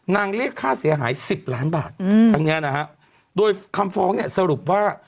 นางเรียกค่าเสียหาย๑๐ล้านบาทด้วยคำฟ้องสรุปว่า